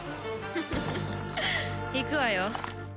フフフいくわよ。